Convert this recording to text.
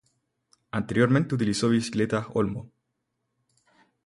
Anteriormente utilizó bicicletas "Olmo".